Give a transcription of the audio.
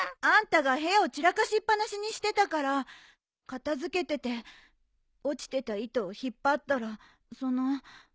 あんたが部屋を散らかしっ放しにしてたから片付けてて落ちてた糸を引っ張ったらその。